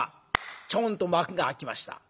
チョンと幕が開きました。